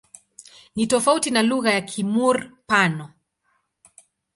Ni tofauti na lugha ya Kimur-Pano.